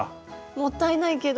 もったいないけど。